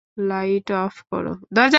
Light off করো।